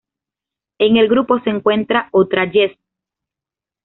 En el grupo se encuentra "otra" Jess.